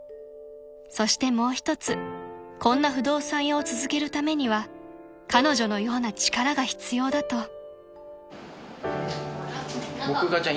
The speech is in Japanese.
［そしてもう一つこんな不動産屋を続けるためには彼女のような力が必要だと］